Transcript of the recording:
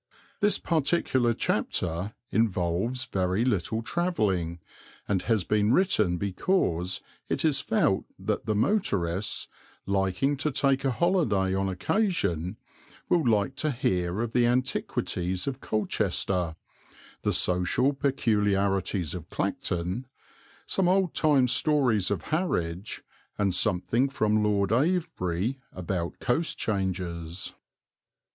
This particular chapter involves very little travelling, and has been written because it is felt that the motorists, liking to take a holiday on occasion, will like to hear of the antiquities of Colchester, the social peculiarities of Clacton, some old time stories of Harwich, and something from Lord Avebury about coast changes.